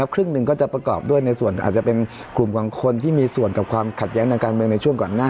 ครึ่งหนึ่งก็จะประกอบด้วยในส่วนอาจจะเป็นกลุ่มของคนที่มีส่วนกับความขัดแย้งทางการเมืองในช่วงก่อนหน้า